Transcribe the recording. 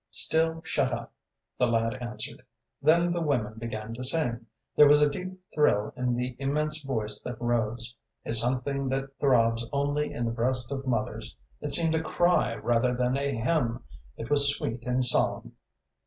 "Still shut up," the lad answered. "Then the women began to sing. There was a deep thrill in the immense voice that rose; a something that throbs only in the breast of mothers; it seemed a cry rather than a hymn; it was sweet and solemn.